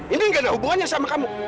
ini gak ada hubungannya sama kamu